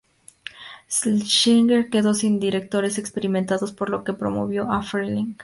Schlesinger quedó sin directores experimentados por lo que promovió a Freleng.